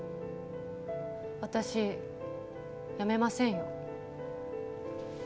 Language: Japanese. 私辞めませんよ。